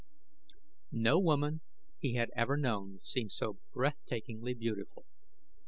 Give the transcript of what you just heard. No woman he had ever known seemed so breathtakingly beautiful.